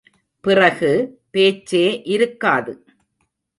பிறகு பேச்சே இருக்காது.